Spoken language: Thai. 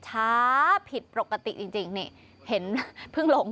ช้าผิดปกติจริงนี่เห็นมั้ย